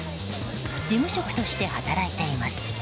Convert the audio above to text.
事務職として働いています。